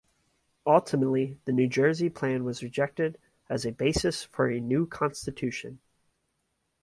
Ultimately, the New Jersey Plan was rejected as a basis for a new constitution.